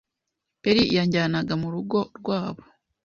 Peri yanjyanaga murugo rwabo